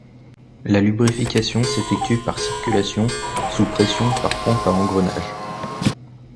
La lubrification s'effectue par circulation sous pression par pompe à engrenages.